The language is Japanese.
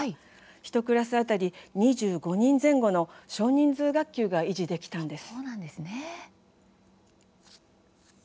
１クラス当たり２５人前後の少人数学級が維持できたんです。